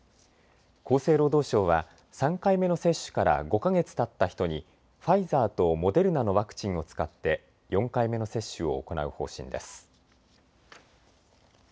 厚生労働省は３回目の接種から５か月たった人にファイザーとモデルナのワクチンを使って４回目の接種を行う方針です。